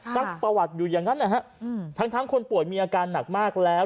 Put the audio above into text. สักประวัติอยู่อย่างนั้นนะฮะทั้งคนป่วยมีอาการหนักมากแล้ว